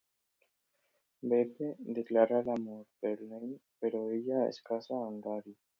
Beppe declara l'amor per Lynne però ella es casa amb Garry.